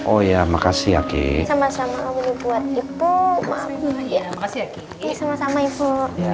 oh ya makasih ya ki sama sama buat ibu makasih sama sama ibu